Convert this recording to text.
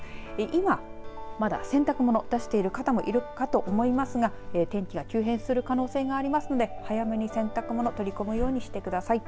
今まだ洗濯物出してる方もいるかと思いますが天気が急変する可能性がありますので早めに洗濯物取り込むようにしてください。